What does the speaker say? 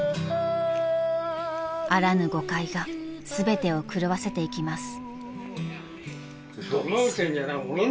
［あらぬ誤解が全てを狂わせていきます］